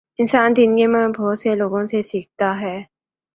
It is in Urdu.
انسان زندگی میں بہت سے لوگوں سے سیکھتا ہے۔